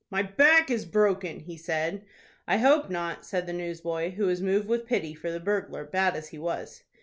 "My back is broken," he said. "I hope not," said the newsboy, who was moved with pity for the burglar, bad as he was.